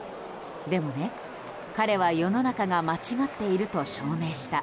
でもね、彼は世の中が間違っていると証明した。